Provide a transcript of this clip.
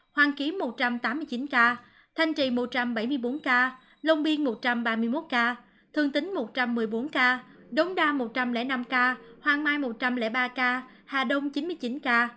hoàng ký một trăm tám mươi chín ca thanh trì một trăm bảy mươi bốn ca long biên một trăm ba mươi một ca thương tính một trăm một mươi bốn ca đống đa một trăm linh năm ca hoàng mai một trăm linh ba ca hà đông chín mươi chín ca